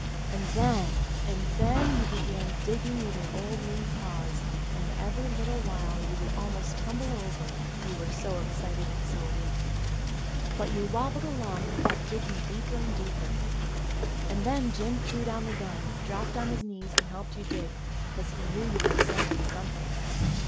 "And then — and then you began digging with your old lean paws, and every little while you would almost tumble over, you were so ex cited and so weak. But you wabbled along and kept digging deeper and deeper. "And then Jim threw down the gun, dropped on his knees, and helped you dig; 'cause he knew you had scented something.